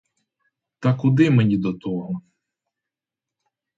Та куди мені до того!